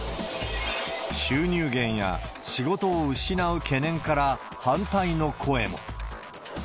収入減や仕事を失う懸念から、反対の声も。